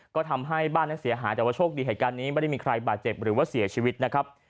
ก็ทำให้บ้านนั้นเสียหายแต่ว่าโชคดีเหตุการณ์นี้ไม่ได้มีใครบาดเจ็บหรือว่าเสียชีวิตนะครับ